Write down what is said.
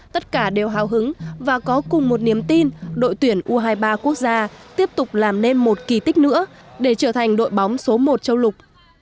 tất cả đều hào hứng và có cùng một niềm tin đội tuyển u hai mươi ba quốc gia tiếp tục làm nên một kỳ tích nữa để trở thành đội bóng số một châu lục